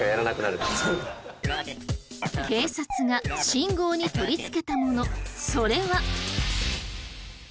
警察が信号に取り付けたものそれは。